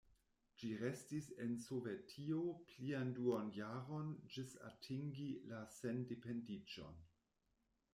Ĝi restis en Sovetio plian duonjaron ĝis atingi la sendependiĝon.